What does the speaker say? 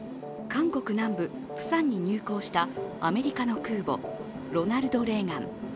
韓国南部・プサンに入港したアメリカの空母「ロナルド・レーガン」。